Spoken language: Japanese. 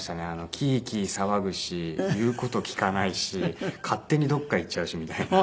キーキー騒ぐし言う事聞かないし勝手にどこか行っちゃうしみたいな。